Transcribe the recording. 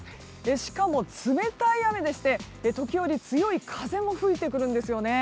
しかも冷たい雨でして時折、強い風も吹いてくるんですよね。